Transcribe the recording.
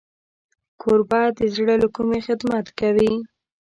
کوربه د زړه له کومي خدمت کوي.